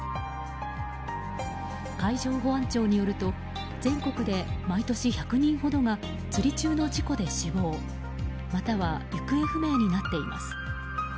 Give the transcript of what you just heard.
海上保安庁によると全国で毎年１００人ほどが釣り中の事故で死亡または行方不明になっています。